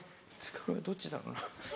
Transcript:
どっちだろうな。